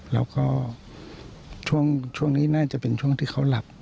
แล้วก็ช่วงนี้น่าจะเป็นช่วงที่เขาหลับ